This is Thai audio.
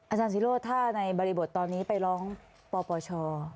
อาจารย์ศิโรธถ้าในบริบทตอนนี้ไปร้องปปช